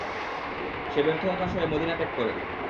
সে ব্যর্থ-হতাশ হয়ে মদীনা ত্যাগ করে।